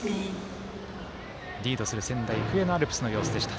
リードする仙台育英のアルプスの様子でした。